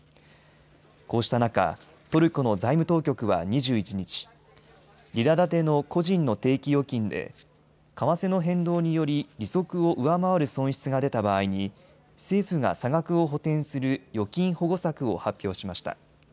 こうした中、トルコの財務当局は２１日、リラ建ての個人の定期預金で為替の変動により利息を上回る損失が出た場合に政府が差額を補填する預金保護策を発表しました。